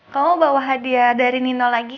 kamu bawa hadiah dari nino lagi